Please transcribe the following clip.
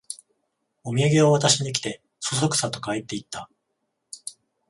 おみやげを渡しに来て、そそくさと帰っていった